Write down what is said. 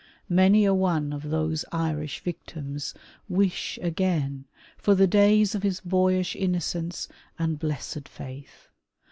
Many a one of those Irish victims wish again for the days of his boyish innocence and blessed faith.